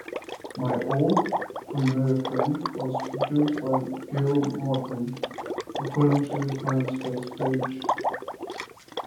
"My Old, Familiar Friend" was produced by Gil Norton according to his MySpace page.